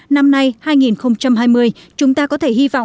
năm nay năm hai nghìn hai mươi chúng ta có thể hi vọng